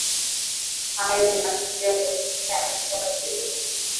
Hayo ni matukio yaliyotokea akiwa waziri wa ulinzi